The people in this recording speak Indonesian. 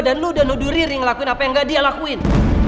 dan lu udah nuduh riri ngelakuin apa yang gak dia lakuin